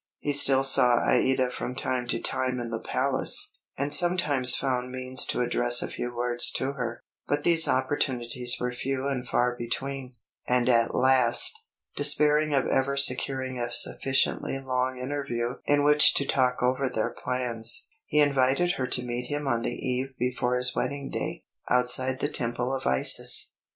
He still saw Aïda from time to time in the palace, and sometimes found means to address a few words to her; but these opportunities were few and far between; and at last, despairing of ever securing a sufficiently long interview in which to talk over their plans, he invited her to meet him on the eve before his wedding day, outside the Temple of Isis.